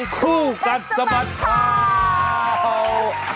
ก็จะสะบัดของเรา